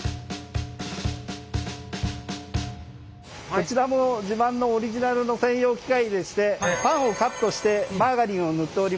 こちらも自慢のオリジナルの専用機械でしてパンをカットしてマーガリンを塗っております。